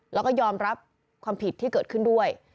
แล้วก็ยอมรับความผิดที่เกิดขึ้นด้วย